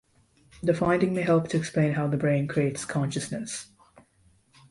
The finding may help to explain how the brain creates consciousness.